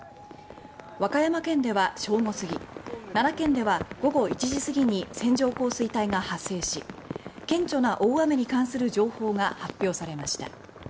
和歌山県では正午過ぎ奈良県では午後１時過ぎに線状降水帯が発生し顕著な大雨に関する情報が発表されました。